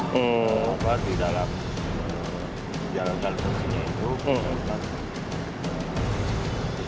kalau di dalam jalankan pengawasannya itu